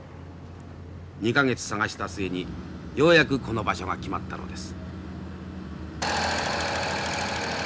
２か月探した末にようやくこの場所が決まったのです。